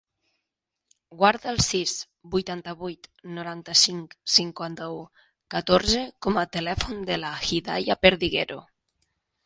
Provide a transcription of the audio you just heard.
Guarda el sis, vuitanta-vuit, noranta-cinc, cinquanta-u, catorze com a telèfon de la Hidaya Perdiguero.